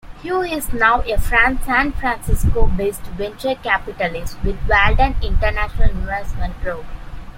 Hu is now a San Francisco-based venture capitalist with Walden International Investment Group.